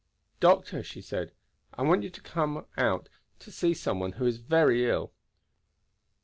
"Doctor," she said, "I want you to come out to see some one who is very ill."